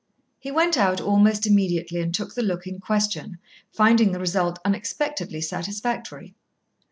He went out almost immediately and took the look in question, finding the result unexpectedly satisfactory.